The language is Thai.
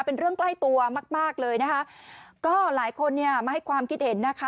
เป็นเรื่องใกล้ตัวมากมากเลยนะคะก็หลายคนเนี่ยมาให้ความคิดเห็นนะคะ